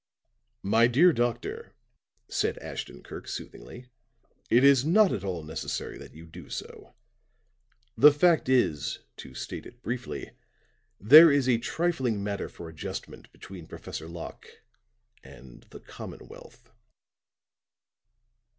"My dear doctor," said Ashton Kirk soothingly, "it is not at all necessary that you do so. The fact is, to state it briefly, there is a trifling matter for adjustment between Professor Locke and the commonwealth."